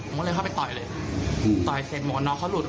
ผมก็เลยเข้าไปต่อยเลยต่อยเสร็จบอกว่าน้องเขาหลุด